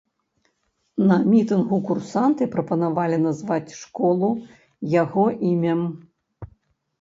На мітынгу курсанты прапанавалі назваць школу яго імем.